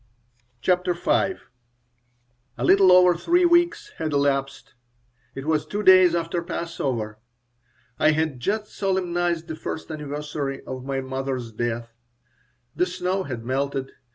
CHAPTER V A LITTLE over three weeks had elapsed. It was two days after Passover. I had just solemnized the first anniversary of my mother's death. The snow had melted.